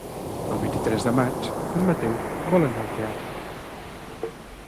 El vint-i-tres de maig en Mateu vol anar al teatre.